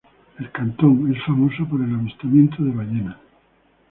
El cantón es famoso por el avistamiento de ballenas.